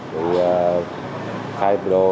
thì khai đồ